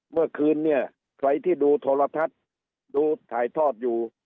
เมื่อคืนเนี่ยใครที่ดูโทรทัศน์ดูถ่ายทอดอยู่